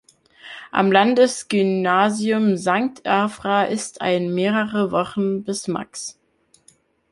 Am Landesgymnasium Sankt Afra ist ein mehrere Wochen bis max.